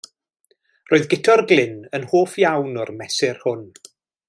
Roedd Guto'r Glyn yn hoff iawn o'r mesur hwn.